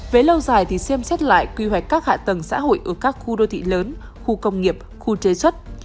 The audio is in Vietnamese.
về lâu dài thì xem xét lại quy hoạch các hạ tầng xã hội ở các khu đô thị lớn khu công nghiệp khu chế xuất